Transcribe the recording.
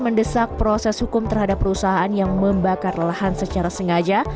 mendesak proses hukum terhadap perusahaan yang membakar lahan secara sengaja